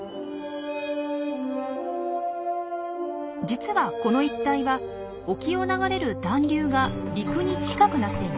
実はこの一帯は沖を流れる暖流が陸に近くなっています。